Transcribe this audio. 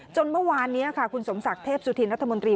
เมื่อวานนี้ค่ะคุณสมศักดิ์เทพสุธินรัฐมนตรี